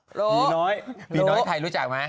ผีน้อยผีน้อยใครรู้จักไหม